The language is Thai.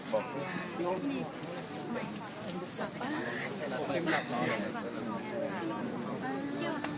ขายอยู่อ่ะข้างในอะอุ๊ยเดี๋ยวหน่อย